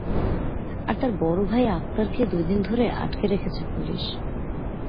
আর তার বড় ভাই আক্তারকে দুই দিন ধরে আটকে রেখেছে পুলিশ।